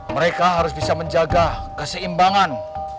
mereka harus bisa menjaga keseimbangan